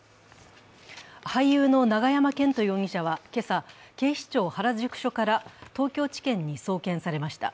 俳優の永山絢斗容疑者は今朝、警視庁原宿署から東京地検に送検されました。